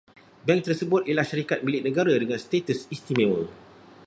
Bank tersebut ialah syarikat milik negara dengan status istimewa